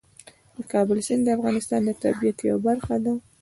د کابل سیند د افغانستان د طبیعت یوه برخه ده.